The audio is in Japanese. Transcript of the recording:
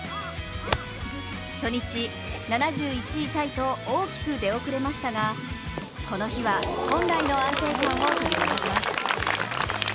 初日７１位タイと大きく出遅れましたがこの日は本来の安定感を取り戻します。